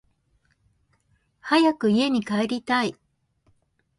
早く家に帰りたい